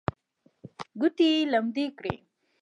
ګوتې یې لمدې کړې.